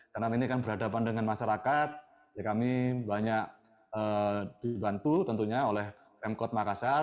karena ini kan berhadapan dengan masyarakat ya kami banyak dibantu tentunya oleh m kod makassar